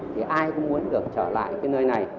thì ai cũng muốn được trở lại cái nơi này